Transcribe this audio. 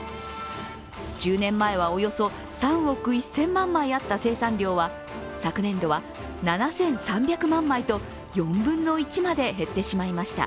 １０年前はおよそ３億１０００万枚あった生産量は昨年度は７３００万枚と４分の１まで減ってしまいました。